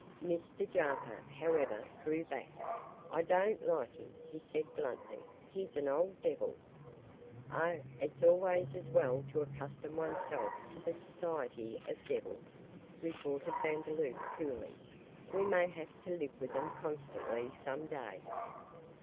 Mr Jarper, however, drew back. 'I don't like him,' he said bluntly, 'he's an old devil.' 'Oh, it's always as well to accustom oneself to the society of devils,' retorted Vandeloup, coolly, 'we may have to live with them constantly some day.